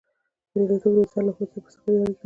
برياليتوب د انسان له هوډ سره مستقيمې اړيکې لري.